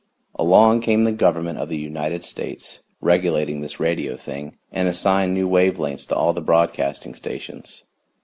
Along came the Government of the United States, regulating this radio thing, and assigned new wave lengths to all the broadcasting stations.